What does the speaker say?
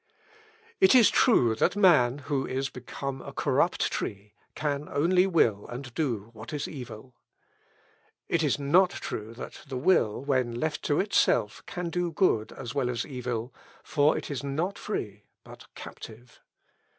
"It is true that man, who is become a corrupt tree, can only will and do what is evil. "It is not true that the will, when left to itself, can do good as well as evil; for it is not free but captive.